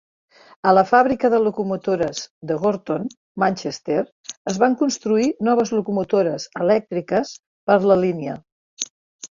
A la fàbrica de locomotores de Gorton, Manchester, es van construir noves locomotores elèctriques per la línia.